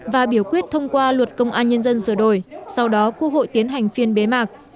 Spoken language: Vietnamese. và biểu quyết thông qua luật công an nhân dân sửa đổi sau đó quốc hội tiến hành phiên bế mạc